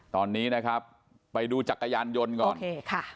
ตอนนี้นะครับไปดูจักรยานยนต์ก่อนใช่ค่ะ